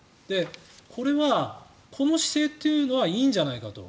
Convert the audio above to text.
これはこの姿勢というのはいいんじゃないかと。